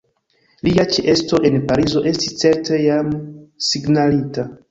Lia ĉeesto en Parizo estis certe jam signalita.